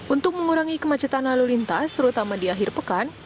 untuk mengurangi kemacetan lalu lintas terutama di akhir pekan